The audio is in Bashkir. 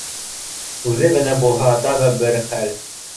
— Үҙе генә булһа, тағы бер хәл